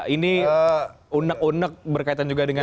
ini unek unek berkaitan juga dengan